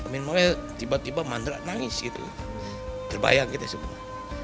maka tiba tiba mandra nangis gitu terbayang kita semua